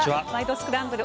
スクランブル」